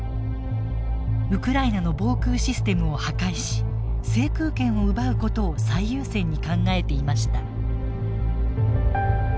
ウクライナの防空システムを破壊し制空権を奪うことを最優先に考えていました。